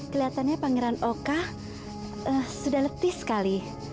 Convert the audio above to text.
kelihatannya pangeran oka sudah letih sekali